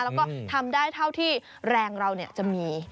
แล้วก็ทำได้เท่าที่แรงเราจะมี